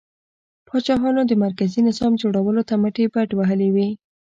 پاچاهانو د مرکزي نظام جوړولو ته مټې بډ وهلې وې.